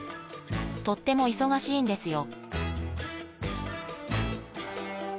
とっても忙しいんですよ